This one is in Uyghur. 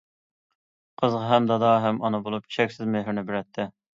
قىزىغا ھەم دادا، ھەم ئانا بولۇپ چەكسىز مېھرىنى بېرەتتى.